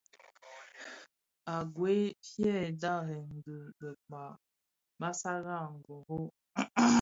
A gwei fyi dharen dhi bekpag Bassassa ngõrrõ .